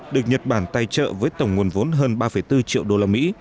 được nhật bản tài trợ với tổng nguồn vốn hơn ba bốn triệu đô la mỹ